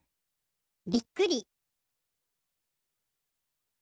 びっくり。